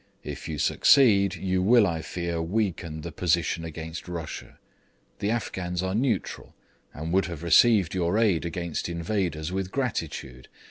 If you succeed you will I fear weaken the position against Russia. The Afghans are neutral, and would have received your aid against invaders with gratitude.